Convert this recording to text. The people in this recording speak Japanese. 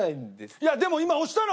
いやでも今押したの。